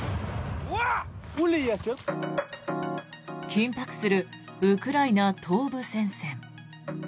緊迫するウクライナ東部戦線。